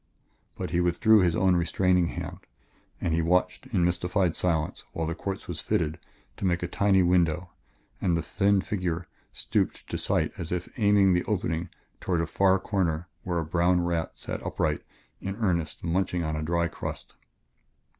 But he withdrew his own restraining hand, and he watched in mystified silence while the quartz was fitted to make a tiny window and the thin figure stooped to sight as if aiming the opening toward a far corner where a brown rat sat upright in earnest munching of a dry crust.